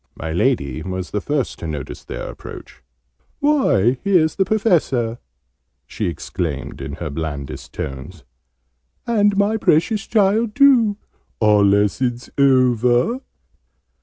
My Lady was the first to notice their approach. "Why, here's the Professor!" she exclaimed in her blandest tones. "And my precious child too! Are lessons over?"